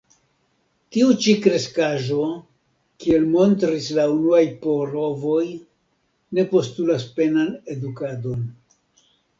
Tiu ĉi kreskaĵo, kiel montris la unuaj provoj, ne postulas penan edukadon.